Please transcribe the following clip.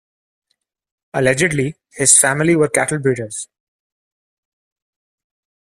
Allegedly, his family were cattle breeders.